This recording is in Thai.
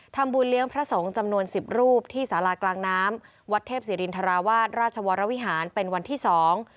ทำบุญเลี้ยงพระสงฆ์จำนวนสิบรูปที่สารากลางน้ำวัดเทพศิรินทราวาสราชวรวิหารเป็นวันที่สอง